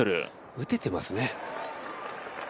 打ててますね。